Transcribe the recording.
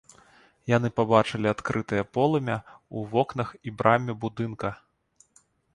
Яны пабачылі адкрытае полымя ў вокнах і браме будынка.